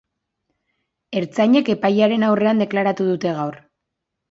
Ertzainek epailearen aurrean deklaratu dute gaur.